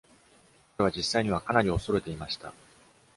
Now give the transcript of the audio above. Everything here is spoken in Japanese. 彼は実際にはかなり恐れていました